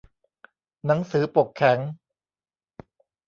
หนังสือปกแข็ง